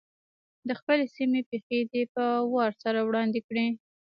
د خپلې سیمې پېښې دې په وار سره وړاندي کړي.